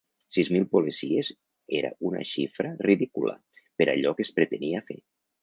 Sis mil policies era una xifra ridícula per allò que es pretenia fer.